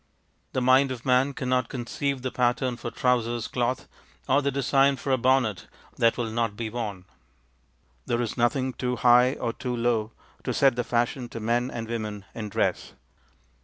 The mind of man cannot conceive the pattern for trousersŌĆÖ cloth or the design for a bonnet that will not be worn. There is nothing too high or too low to set the fashion to men and women in dress.